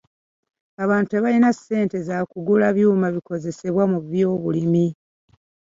Abantu tebalina ssente za kugula byuma bikozesebwa mu byobulimi.